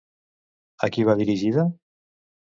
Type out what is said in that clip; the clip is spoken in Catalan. A qui va dirigida?